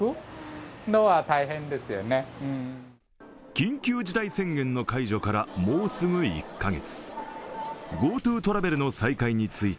緊急事態宣言の解除からもうすぐ１カ月。